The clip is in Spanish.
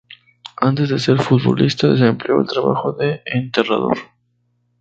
Antes de ser futbolista desempleo el trabajo de enterrador.